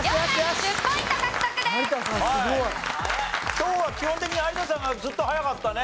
今日は基本的に有田さんがずっと早かったね。